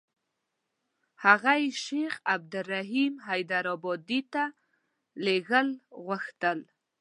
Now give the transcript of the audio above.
هغه یې شیخ عبدالرحیم حیدارآبادي ته لېږل غوښتل.